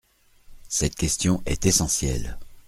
Cette question est essentielle.